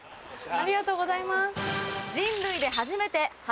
ありがとうございます。